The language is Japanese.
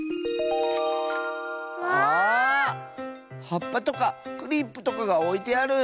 はっぱとかクリップとかがおいてある。